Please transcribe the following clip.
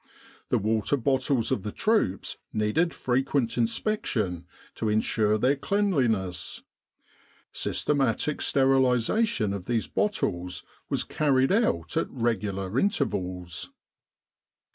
The water bottles of the troops needed frequent inspection to ensure their cleanliness. Systematic sterilisation of these bottles was carried out at regular intervals.